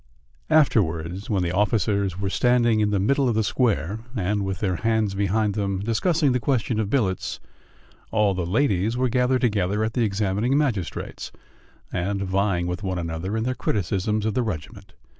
Afterwards, when the officers were standing in the middle of the square, and, with their hands behind them, discussing the question of billets, all the ladies were gathered together at the examining magistrate's and vying with one another in their criticisms of the regiment.